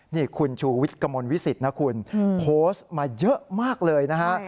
นี่คุณชูวิทย์กระมวลวิสิตนะคุณโพสต์มาเยอะมากเลยนะฮะ